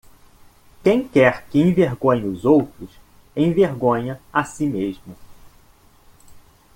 Quem quer que envergonhe os outros, envergonha a si mesmo.